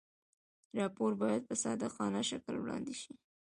راپور باید په صادقانه شکل وړاندې شي.